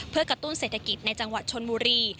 เพื่อกระตุ้นเศรษฐกิจในจังหวัดชนบุรี